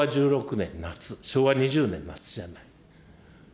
昭和１６年夏、昭和２０年夏じゃない。